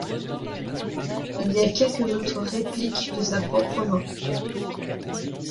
Il y a quelques autres répliques de sa propre main.